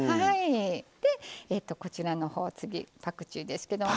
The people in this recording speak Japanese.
でこちらの方次パクチーですけども。